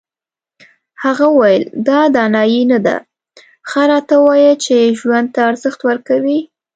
هغه وویل دا دانایي نه ده ښه راته ووایه چې ژوند ته ارزښت ورکوې.